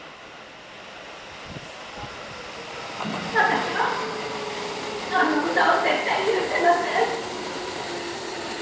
私はあの女を絶対許せません！